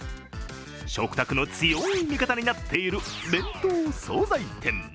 食卓の強い味方になっている弁当・総菜店。